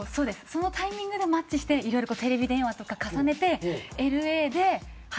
そのタイミングでマッチしていろいろテレビ電話とか重ねてＬＡで初デートしたんです。